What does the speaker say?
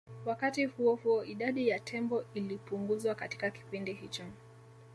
Wakati huo huo idadi ya tembo ilipunguzwa katika kipindi hicho